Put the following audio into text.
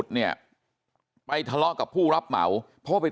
ทำให้สัมภาษณ์อะไรต่างนานไปออกรายการเยอะแยะไปหมด